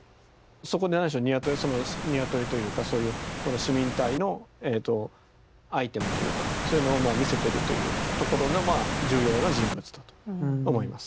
そこにある種の鶏というかそういうこの市民隊のアイテムというかそういうのを見せてるというところが重要な人物だと思います。